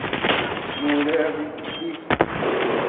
Nurar deg teftist.